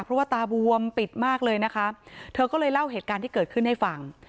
เพราะว่าตาบวมปิดมากเลยนะคะเธอก็เลยเล่าเหตุการณ์ที่เกิดขึ้นให้ฟัง